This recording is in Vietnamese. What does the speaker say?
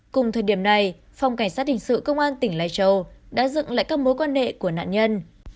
cùng thời điểm này phòng cảnh sát hình sự công an tỉnh lai châu đã dựng lại các mối quan hệ của nạn nhân